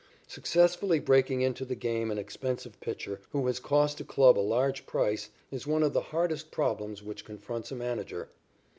Successfully breaking into the game an expensive pitcher, who has cost a club a large price, is one of the hardest problems which confronts a manager.